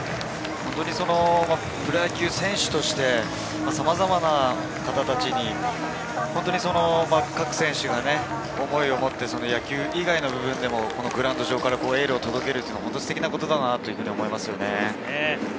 プロ野球選手として、さまざまな方たちに各選手が思いを持って野球以外の部分でもグラウンド上からエールを届けるというのはすてきなことだと思います。